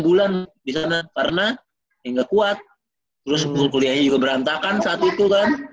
enam bulan di sana karena ya nggak kuat terus kuliahnya juga berantakan saat itu kan